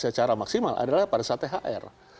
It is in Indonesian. secara maksimal adalah pada saat thr